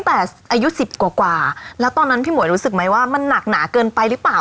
อายุสิบกว่าแล้วตอนนั้นพี่หมวยรู้สึกไหมว่ามันหนักหนาเกินไปหรือเปล่า